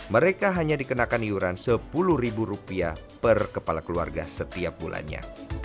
mereka hanya dikenakan iuran sepuluh rupiah per kepala keluarga setiap bulannya